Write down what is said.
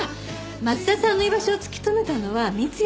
松田さんの居場所を突き止めたのは三ツ矢くん。